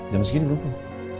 jam segini belum